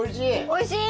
おいしい！